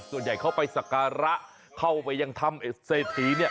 ส่วนใหญ่เข้าไปสักการะเข้าไปยังทำเศรษฐีเนี่ย